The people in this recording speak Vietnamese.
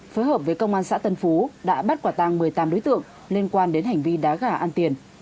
phối hợp với công an xã tân phú đã bắt quả tăng một mươi tám đối tượng liên quan đến hành vi đá gà ăn tiền